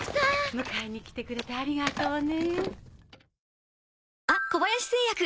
迎えに来てくれてありがとうね。